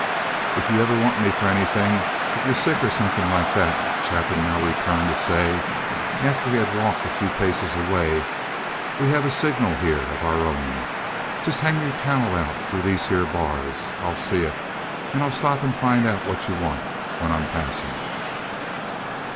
"If ever you want me for anything—if ye're sick or sumpin' like that," Chapin now returned to say, after he had walked a few paces away, "we have a signal here of our own. Just hang your towel out through these here bars. I'll see it, and I'll stop and find out what yuh want, when I'm passin'."